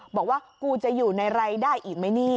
บอกว่ากูจะอยู่ในรายได้อีกไหมนี่